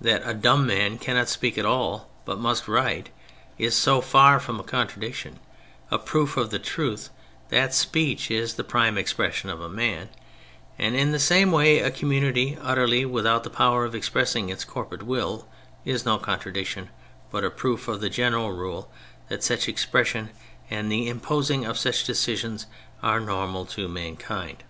That a dumb man cannot speak at all, but must write, is, so far from a contradiction, a proof of the truth that speech is the prime expression of man ; and in the same way a community utterly without the power of expressing its corporate will is no contradiction, but a proof, of the general rule that such expression and the imposing of such decisions are normal to mankind.